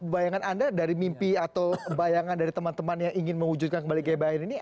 bayangan anda dari mimpi atau bayangan dari teman teman yang ingin mewujudkan kembali gbhn ini